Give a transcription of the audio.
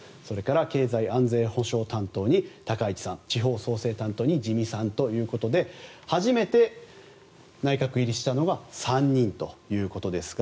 経済安全保障担当に高市さん地方創生担当に自見さんということで初めて内閣入りしたのが３人ということですが。